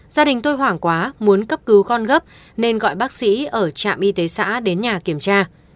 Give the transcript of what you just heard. gia đình tôi hoảng quá muốn cấp cứu con gấp nên gọi bác sĩ ở trạm y tế xã đến nhà kiểm tra